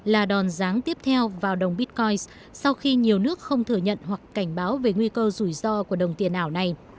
là đòn ráng tiếp theo vào đồng bitcoin sau khi nhiều nước không thừa nhận hoặc cảnh báo về nguy cơ rủi ro của đồng tiền ảo này